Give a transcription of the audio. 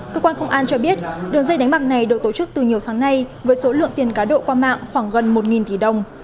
cơ quan công an cho biết đường dây đánh bạc này được tổ chức từ nhiều tháng nay với số lượng tiền cá độ qua mạng khoảng gần một tỷ đồng